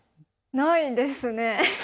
ないですね。